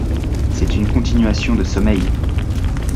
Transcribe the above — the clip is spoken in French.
C'est une continuation de sommeil.